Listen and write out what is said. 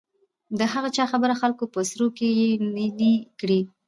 د هغه چا خبره خلکو په سروو کې يې نينې کړې .